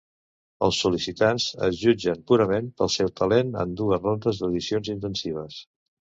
Els sol·licitants es jutgen purament pel seu talent en dues rondes d'audicions intensives.